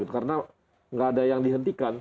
karena nggak ada yang dihentikan